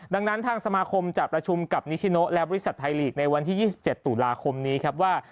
ดังนั้นทางสมาคมจะประชุมกับนิชิโนและบริษัทไทยลีกในวันที่๒๗ตุลาคมนี้ครับว่า